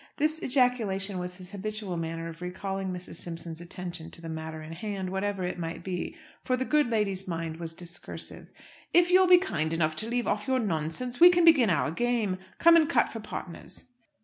(This ejaculation was his habitual manner of recalling Mrs. Simpson's attention to the matter in hand, whatever it might be; for the good lady's mind was discursive.) "If you'll be kind enough to leave off your nonsense, we can begin our game. Come and cut for partners."